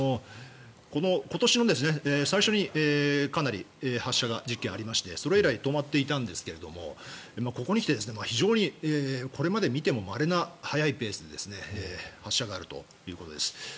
今年の最初にかなり発射実験がありましてそれ以来、止まっていたんですがここに来て非常にこれまで見てもまれな早いペースで発射があるということです。